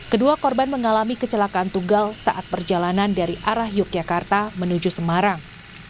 kedua korban mengalami kecelakaan tunggal saat perjalanan dari arah yogyakarta menuju semarang